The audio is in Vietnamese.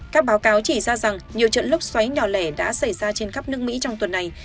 các báo cáo chỉ ra rằng nhiều trận lốc xoáy nhỏ lẻ đã xảy ra trên khắp nước mỹ trong tuần này